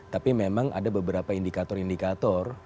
tapi memang ada beberapa indikator indikator